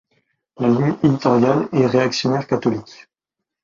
La ligne éditoriale est réactionnaire catholique.